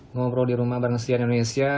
ngobrol di rumah bareng sian indonesia